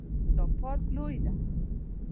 دا پارک لوی ده